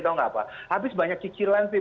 tau nggak apa habis banyak cicilan sih